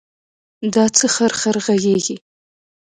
دا څه خرخر غږېږې.